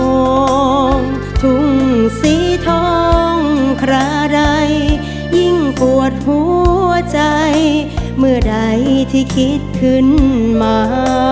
ห้องทุ่งสีทองคราใดยิ่งปวดหัวใจเมื่อใดที่คิดขึ้นมา